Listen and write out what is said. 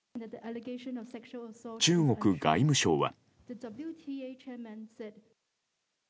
中国外務省は。